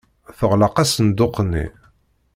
Teɣleq asenduq-nni.